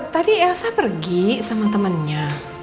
tadi elsa pergi sama temennya